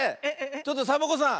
ちょっとサボ子さん